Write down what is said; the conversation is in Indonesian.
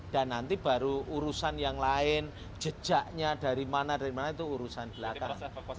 dan nanti baru urusan yang lain jejaknya dari mana mana itu urusan belakang